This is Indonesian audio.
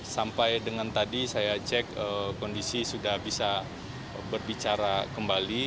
sampai dengan tadi saya cek kondisi sudah bisa berbicara kembali